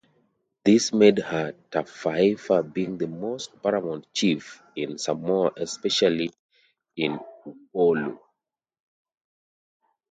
This made her Tafaifa being the most paramount chief in Samoa especially in Upolu.